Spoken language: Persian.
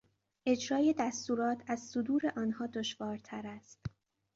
اجرای دستورات از صدور آنها دشوارتر است.